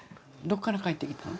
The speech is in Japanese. どっから帰ってきたん？